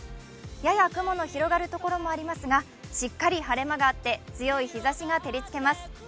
やや雲の広がるところがありますが、しっかり晴れ間があって、強い日ざしが照りつけます。